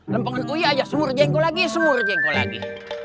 lempongan uya aja smur jengkol lagi smur jengkol lagi